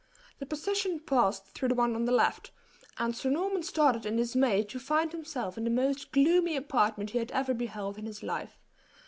The procession passed through the one to the left, and Sir Norman started in dismay to find himself in the most gloomy apartment he had ever beheld in his life.